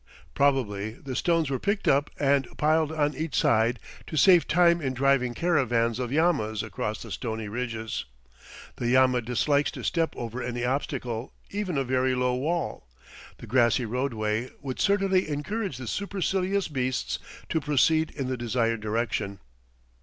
Probably the stones were picked up and piled on each side to save time in driving caravans of llamas across the stony ridges. The llama dislikes to step over any obstacle, even a very low wall. The grassy roadway would certainly encourage the supercilious beasts to proceed in the desired direction.